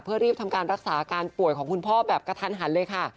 เพื่อรีบทำการรักษาอาการป่วยของคุณพ่อแบบกระทันหันเลยค่ะ